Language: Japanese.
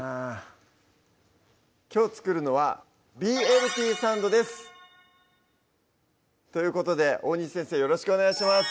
きょう作るのは「ＢＬＴサンド」ですということで大西先生よろしくお願いします